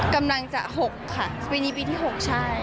กำลังจะ๖ค่ะปีนี้ปีที่๖ใช่